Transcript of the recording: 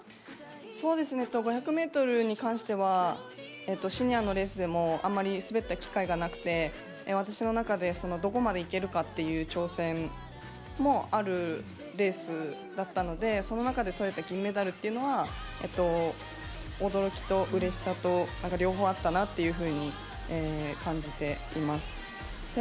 ５００ｍに関しては、シニアのレースでもあんまり滑った機会がなくて、私の中でどこまでいけるかという挑戦もあるレースだったので、その中で取れた金メダルというのは驚きとうれしさ、両方あったなと感じています。